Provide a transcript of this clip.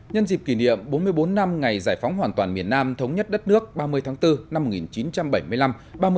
nhân dịp kỷ niệm bốn mươi bốn năm ngày giải phóng hoàn toàn miền nam thống nhất đất nước ba mươi tháng bốn năm một nghìn chín trăm bảy mươi năm